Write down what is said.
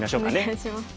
お願いします。